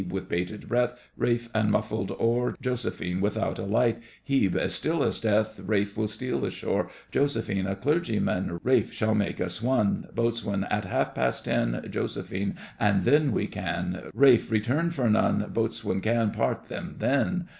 With bated breath RALPH. And muffled oar— JOS. Without a light, HEBE. As still as death, RALPH. We'll steal ashore JOS. A clergyman RALPH. Shall make us one BOAT, At half past ten, JOS. And then we can RALPH Return, for none BOAT. Can part them then!